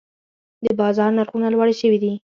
د بازار نرخونه لوړې شوي دي.